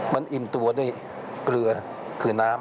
มันอิ่มตัวด้วยเกลือคือน้ำ